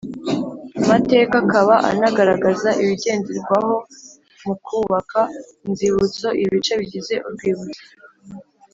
Mateka akaba anagaragaza ibigenderwaho mu kubaka Inzibutso ibice bigize Urwibutso